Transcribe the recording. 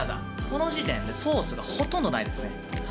この時点でソースがほとんどないですね。